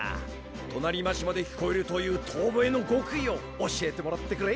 隣町まで聞こえるという遠ぼえのごくいを教えてもらってくれ。